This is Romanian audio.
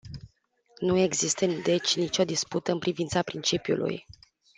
Nu există deci nicio dispută în privința principiului.